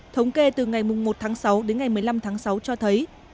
thống kê từ ngày một tháng sáu đến ngày một mươi năm tháng sáu cho thấy